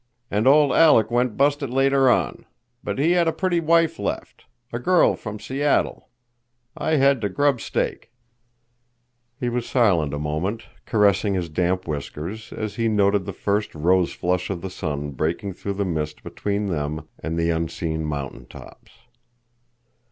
And old Aleck went busted later on. But he had a pretty wife left. A girl from Seattle. I had to grub stake." He was silent for a moment, caressing his damp whiskers, as he noted the first rose flush of the sun breaking through the mist between them and the unseen mountain tops.